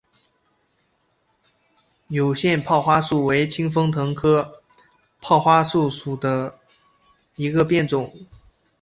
有腺泡花树为清风藤科泡花树属下的一个变种。